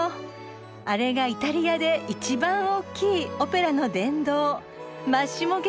あれがイタリアで一番大きいオペラの殿堂マッシモ劇場ね。